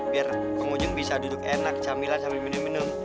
biar pengunjung bisa duduk enak camilan sambil minum minum